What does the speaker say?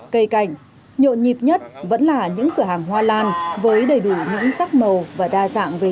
cây cảnh nhộn nhịp nhất vẫn là những cửa hàng hoa lan với đầy đủ những sắc màu và đa dạng về